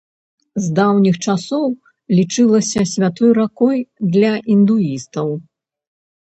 З даўніх часоў лічыцца святой ракой для індуістаў.